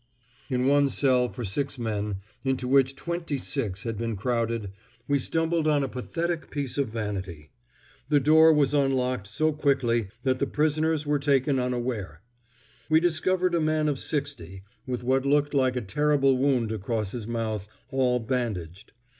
In one cell for six men, into which twenty six had been crowded, we stumbled on a pathetic piece of vanity. The door was unlocked so quickly that the prisoners were taken unaware. We discovered a man of sixty, with what looked like a terrible wound across his mouth, all bandaged.